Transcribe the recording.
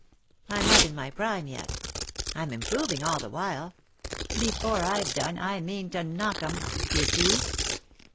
I'm not in my prime yet j I'm improving all the while ; before I've done I mean to knock 'em — you see."